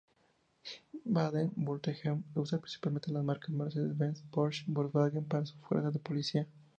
Baden-Württemberg usa principalmente las marcas Mercedes-Benz, Porsche y Volkswagen para su fuerza de policía.